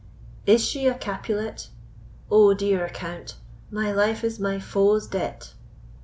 Is she a Capulet? O dear account! my life is my foe's debt.